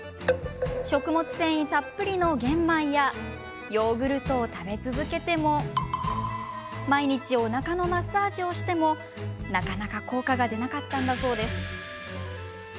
食物繊維たっぷりの玄米やヨーグルトを食べ続けても毎日おなかのマッサージをしてもなかなか効果が出なかったんだそうです。